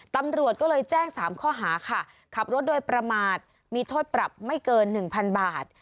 ตำรวจก็เลยแจ้ง๓ข้อหาค่ะขับรถโดยประมาทมีโทษปรับไม่เกิน๑๐๐๐บาท